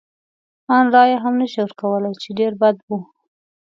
ان رایه هم نه شي ورکولای، چې ډېر بد و.